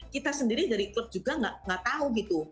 kita sendiri dari klub juga nggak tahu gitu